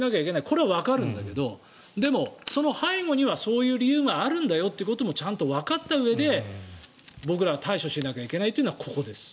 これはわかるんだけどでもその背後にはそういう理由があるんだよということをちゃんとわかったうえで僕らは対処しないといけないのがここです。